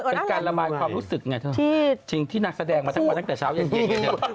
เป็นการระบายความรู้สึกไงจริงที่นักแสดงมาทำมาตั้งแต่เช้าอย่างเย็น